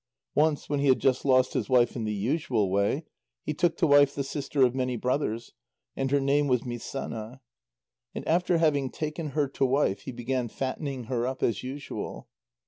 Once when he had just lost his wife in the usual way, he took to wife the sister of many brothers, and her name was Misána. And after having taken her to wife, he began fattening her up as usual.